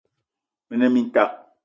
Me ne mintak